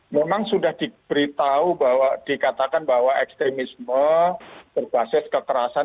memang sudah diberitahu bahwa dikatakan bahwa ekstremisme berbasis kekerasan